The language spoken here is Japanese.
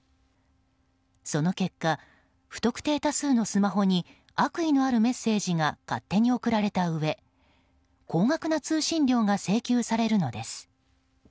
その結果、不特定多数のスマホに悪意のあるメッセージが勝手に送られたうえ高額な通信料が請求されるのです。